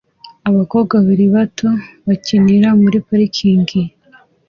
Abakobwa babiri bato bakinira muri parikingi